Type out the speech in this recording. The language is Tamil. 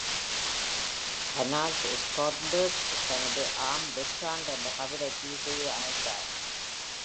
அர்னால்ட் ஸ்கொன்பெர்க் தனது ஆம் வெக்ராண்ட் என்ற கவிதைக்கு இசையை அமைத்தார்.